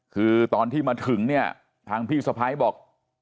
คือตอนที่มาถึงเนี่ยทางพี่สะพ้ายบอก